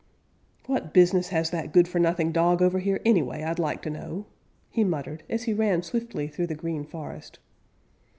"What business has that good for nothing dog over here anyway, I'd like to know," he muttered, as he ran swiftly through the Green Forest.